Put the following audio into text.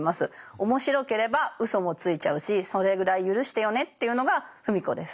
面白ければうそもついちゃうしそれぐらい許してよねというのが芙美子です。